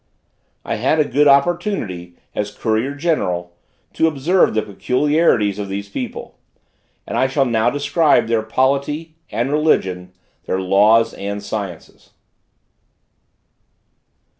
I had a good opportunity, as courier general, to observe the peculiarities of these people, and I shall now describe their polity and religion, their laws and sciences.